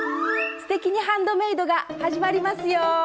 「すてきにハンドメイド」が始まりますよ。